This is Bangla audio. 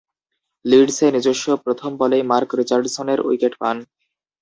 লিডসে নিজস্ব প্রথম বলেই মার্ক রিচার্ডসনের উইকেট পান।